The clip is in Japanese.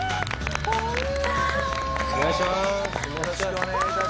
お願いします。